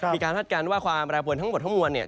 มีการพัจการณ์ว่าความระบวนทั้งหมดเฮาะม่วนเนี่ย